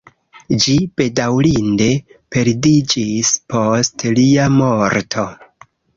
Ĝi bedaŭrinde perdiĝis post lia morto.